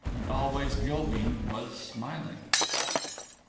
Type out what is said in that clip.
And always Gilveen was smiling.